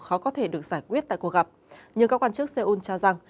khó có thể được giải quyết tại cuộc gặp nhưng các quan chức seoul cho rằng